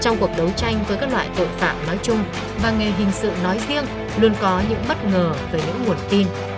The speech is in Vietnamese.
trong cuộc đấu tranh với các loại tội phạm nói chung và nghề hình sự nói riêng luôn có những bất ngờ về những nguồn tin